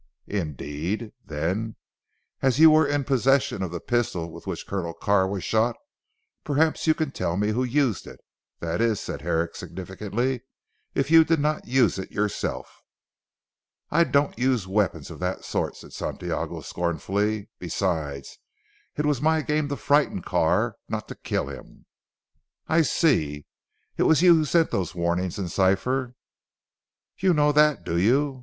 "Indeed? Then, as you were in possession of the pistol with which Colonel Carr was shot, perhaps you can tell me who used it. That is," said Herrick significantly, "if you did not use it yourself." "I don't use weapons of that sort," said Santiago scornfully, "besides it was my game to frighten Carr, not to kill him." "I see. It was you who sent those warnings in cipher." "You know that do you.